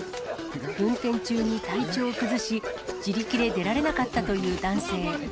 運転中に体調を崩し、自力で出られなかったという男性。